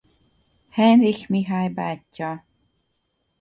Heinrich Mihály bátyja.